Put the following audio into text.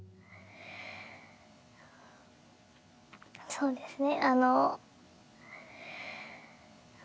そうですね